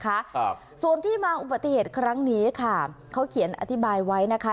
ครับส่วนที่มาอุบัติเหตุครั้งนี้ค่ะเขาเขียนอธิบายไว้นะคะ